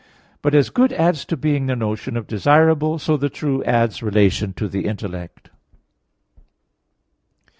But as good adds to being the notion of desirable, so the true adds relation to the intellect.